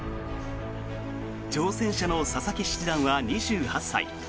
挑戦者の佐々木七段は２８歳。